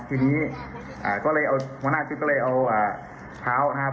ทีนี้อ่าก็เลยเอาหัวหน้าจุ๊กก็เลยเอาอ่าเผาครับ